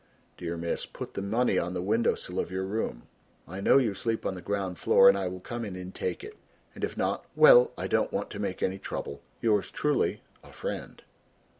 Dear Miss. Put the money on the window sill of your room. I know you sleep on the ground floor and I will come in and take it. And if not well, I don't want to make any trouble. "Yours truly, "A FRIEND."